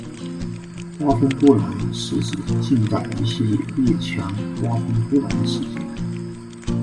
瓜分波兰是指近代一系列列强瓜分波兰的事件。